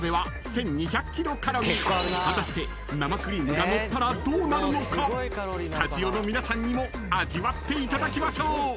［果たして生クリームがのったらどうなるのかスタジオの皆さんにも味わっていただきましょう］